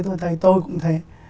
tôi thấy tôi cũng thế